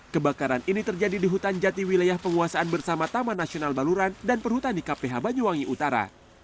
kebakaran ini terjadi di hutan jati wilayah penguasaan bersama taman nasional baluran dan perhutani kph banyuwangi utara